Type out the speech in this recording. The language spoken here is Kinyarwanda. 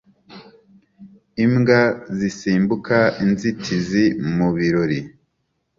Imbwa zisimbuka inzitizi mu birori